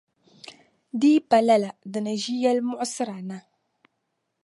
di yi pa lala di ni ʒi yɛli' muɣisira na.